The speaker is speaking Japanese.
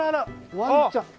ワンちゃん！